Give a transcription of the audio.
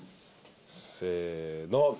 せの。